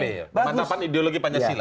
pemantapan ideologi pancasila